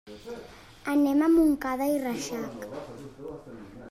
Anem a Montcada i Reixac.